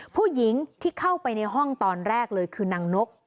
ผู้หญิงที่เข้าไปในห้องตอนแรกเลยคือนางนก